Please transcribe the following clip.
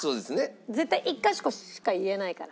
絶対１カ所しか言えないから。